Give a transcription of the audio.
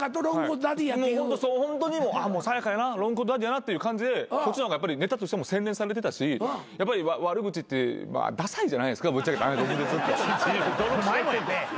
ホントにもうさや香やなロングコートダディやなっていう感じでそっちの方がネタとしても洗練されてたしやっぱり悪口ってダサいじゃないですかぶっちゃけた話毒舌って。